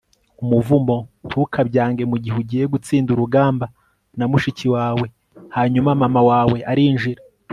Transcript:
umuvumo. ntukabyange mugihe ugiye gutsinda urugamba na mushiki wawe hanyuma mama wawe arinjira